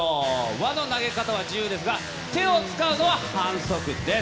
輪の投げ方は自由ですが、手を使うのは反則です。